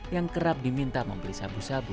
yang kerap diminta membeli sabu sabu